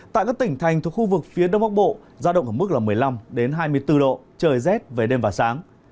tại các tỉnh thành thuộc khu vực phía đông bắc bộ giao động ở mức một mươi năm hai mươi bốn độ trời rét về đêm và sáng